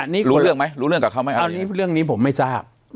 นี่รู้เรื่องไหมรู้เรื่องกับเขาไหมอันนี้เรื่องนี้ผมไม่ทราบ